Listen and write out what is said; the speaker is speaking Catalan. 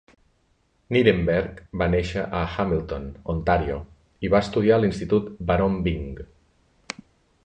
Nirenberg va néixer a Hamilton, Ontario, i va estudiar a l'Institut Baron Byng.